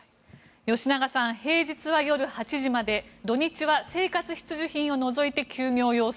吉永さん平日は夜８時まで土日は生活必需品を除いて休業要請。